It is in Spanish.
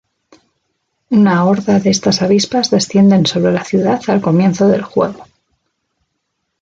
Una horda de estas avispas descienden sobre la ciudad al comienzo del juego.